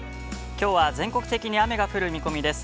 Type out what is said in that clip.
きょうは全国的に雨が降る見込みです。